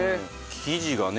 生地がね